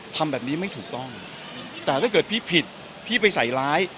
ทำแบบนี้ไม่ถูกต้องแต่ถ้าเกิดพี่ผิดพี่ไปใส่ร้าย